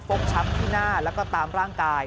ฟกชับที่หน้าและตามร่างกาย